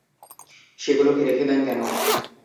সেগুলোকে রেখে দেন কেন?